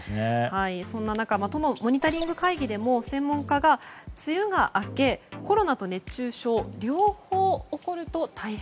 そんな中都のモニタリング会議でも専門家が梅雨が明け、コロナと熱中症の両方が起こると大変。